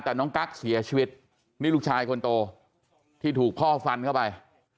แต่น้องกั๊กเสียชีวิตนี่ลูกชายคนโตที่ถูกพ่อฟันเข้าไป